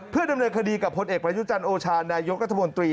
เพื่อดำเนินคดีกับพลเอกประยุจันทร์โอชานายกรัฐมนตรี